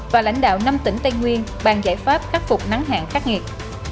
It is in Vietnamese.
và lãnh đạo năm tỉnh tây nguyên bàn giải pháp khắc phục nắng hạn khắc nghiệt